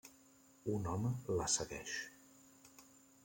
Un home la segueix.